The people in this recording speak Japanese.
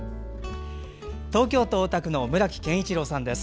東京・大田区の村木謙一郎さんです。